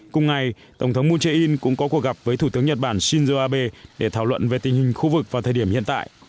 cùng ngày tổng thống moon jae in cũng có cuộc gặp với thủ tướng nhật bản shinzo abe để thảo luận về tình hình khu vực vào thời điểm hiện tại